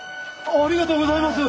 ありがとうございます。